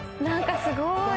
何かすごーい。